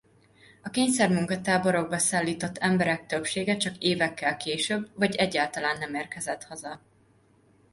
A kényszermunka-táborokba szállított emberek többsége csak évekkel később vagy egyáltalán nem érkezett haza.